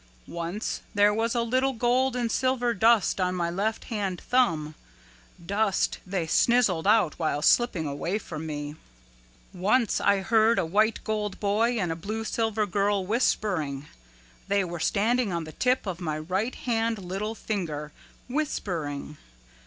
Once there was a little gold and silver dust on my left hand thumb, dust they snizzled out while slipping away from me. "Once I heard a White Gold Boy and a Blue Silver Girl whispering. They were standing on the tip of my right hand little finger, whispering.